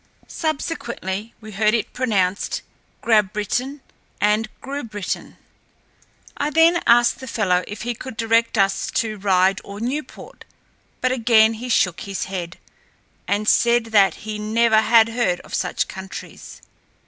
Subsequently we heard it pronounced Grabrittin and Grubritten. I then asked the fellow if he could direct us to Ryde or Newport; but again he shook his head, and said that he never had heard of such countries.